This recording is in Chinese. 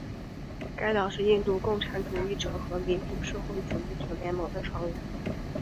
该党是印度共产主义者和民主社会主义者联盟的成员。